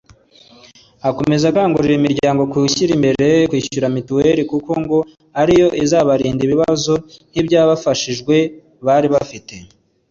Akomeza akangurira imiryango gushyira imbere kwishyura Mitiweri kuko ngo ari yo izabarinda ibibazo nk’iby’abafashijwe bari bafite